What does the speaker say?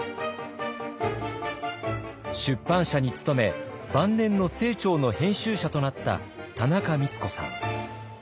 出版社に勤め晩年の清張の編集者となった田中光子さん。